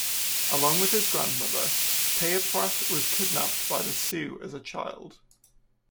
Along with his grandmother, Payipwat was kidnapped by the Sioux as a child.